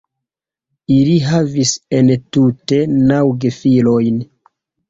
Ili havis entute naŭ gefilojn.